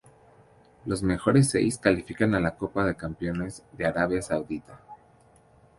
Los mejores seis califican a la Copa de Campeones de Arabia Saudita.